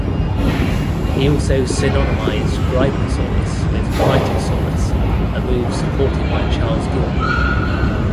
He also synonymized "Gryposaurus" with "Kritosaurus", a move supported by Charles Gilmore.